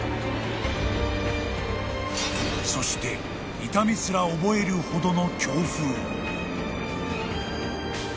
［そして痛みすら覚えるほどの］